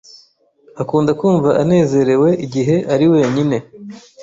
Akunda kumva anezerewe igihe ari wenyine